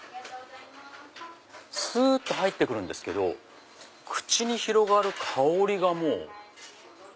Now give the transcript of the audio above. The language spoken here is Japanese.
すっと入って来るんですけど口に広がる香りがもう。